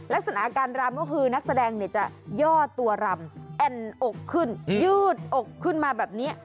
ลักษณะการรำก็คือนักแสดงเนี่ยจะย่อตัวรำแอ่นอกขึ้นยืดอกขึ้นมาแบบนี้